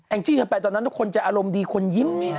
แอ่งที่จะไปตอนนั้นคนจะอารมณ์ดีคนยิ้ม